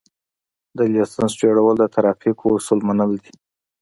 د لېسنس جوړول د ترافیکو اصول منل دي